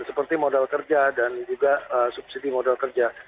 seperti modal kerja dan juga subsidi modal kerja